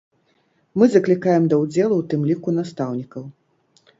Мы заклікаем да ўдзелу у тым ліку настаўнікаў.